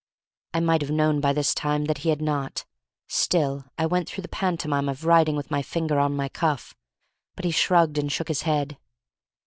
I might have known by this time that he had not, still I went through the pantomime of writing with my finger on my cuff. But he shrugged and shook his head.